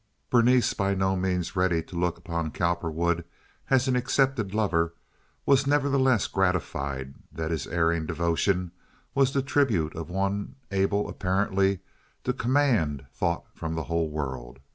Berenice, by no means ready to look upon Cowperwood as an accepted lover, was nevertheless gratified that his erring devotion was the tribute of one able apparently to command thought from the whole world.